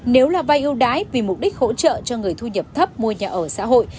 nếu là vay ưu đái vì mục đích hỗ trợ cho người thu nhập thấp mua nhà ở xã hội